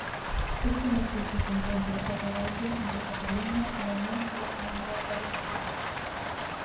Este macizo se encuentra a caballo entre Cataluña, Aragón y la Comunidad Valenciana.